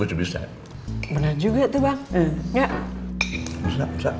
crazy juga tuh banget kayak